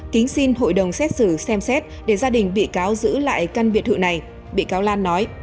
kính xin hội đồng xét xử xem xét để gia đình bị cáo giữ lại căn biệt thự này bị cáo lan nói